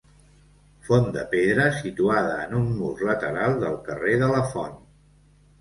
Font de pedra situada en un mur lateral del carrer de la Font.